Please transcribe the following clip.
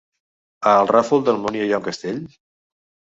A el Ràfol d'Almúnia hi ha un castell?